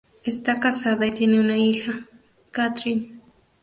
Está casada y tiene una hija, Kathryn.